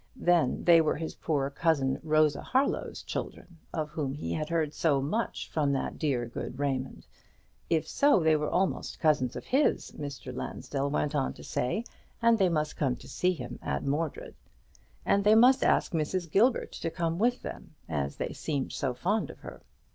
then they were his poor cousin Rosa Harlow's children, of whom he had heard so much from that dear good Raymond? If so, they were almost cousins of his, Mr. Lansdell went on to say, and they must come and see him at Mordred. And they must ask Mrs. Gilbert to come with them, as they seemed so fond of her.